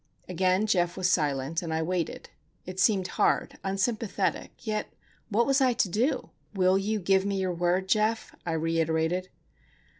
Again Geof was silent, and I waited. It seemed hard, unsympathetic,—yet what was I to do? "Will you give me your word, Geof?" I reiterated.